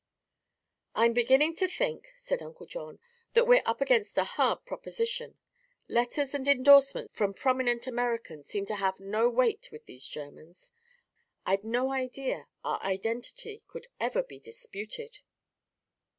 "I'm beginning to think," said Uncle John, "that we're up against a hard proposition. Letters and endorsements from prominent Americans seem to have no weight with these Germans. I'd no idea our identity could ever be disputed."